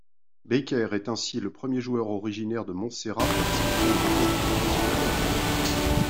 Baker est ainsi le premier joueur originaire de Montserrat à disputer une rencontre internationale.